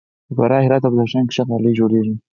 په فراه، هرات او بدخشان کې ښه غالۍ جوړیږي.